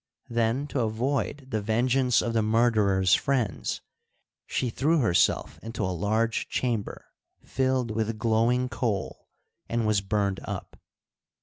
Then, to avoid the vengeance of the murderers' friends, she threw herself into a large chamber filled with glowing coal and was burned up.